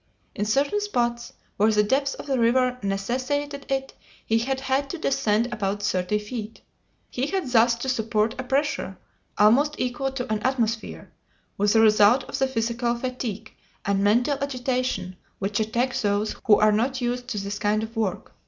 In certain spots, where the depth of the river necessitated it, he had had to descend about thirty feet. He had thus to support a pressure almost equal to an atmosphere, with the result of the physical fatigue and mental agitation which attack those who are not used to this kind of work.